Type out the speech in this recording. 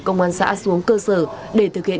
công an xã xuống cơ sở để thực hiện